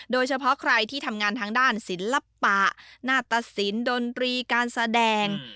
โดยเฉพาะใครที่ทำงานทางด้านศิลปะหน้าตสินดนตรีการแสดง